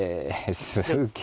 すげえ！